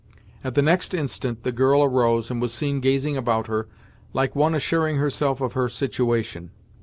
At the next instant the girl arose and was seen gazing about her, like one assuring herself of her situation.